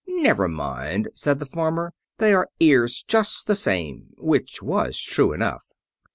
"'Never mind,'" said the farmer. "'They are ears just the same,'" which was true enough.